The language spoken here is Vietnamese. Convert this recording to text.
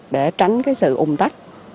để tránh cái sự ủng tắc